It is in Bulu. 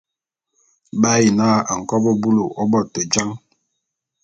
Bi ayi na nkobô búlù ô bo te jan.